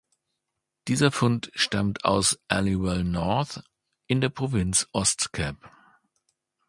Dieser Fund stammt aus Aliwal North in der Provinz Ostkap.